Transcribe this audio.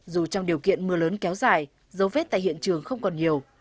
dù trong điều kiện mưa lớn kéo dài dấu vết tại hiện trường không còn nhiều